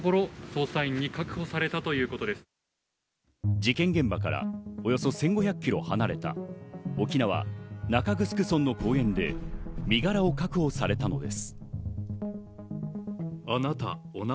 事件現場からおよそ１５００ｋｍ離れた沖縄・中城村の公園で身柄を確保されたのです。